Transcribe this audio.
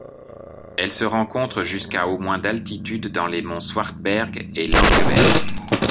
Elle se rencontre jusqu'à au moins d'altitude dans les monts Swartberg et Langeberg.